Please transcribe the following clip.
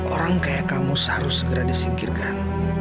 orang kayak kamu seharus segera disingkirkan